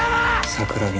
桜木！